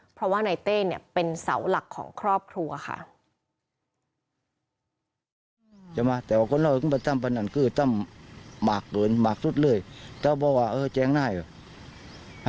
เพราะว่านายเต้เนี่ยเป็นเสาหลักของครอบครัวค่ะ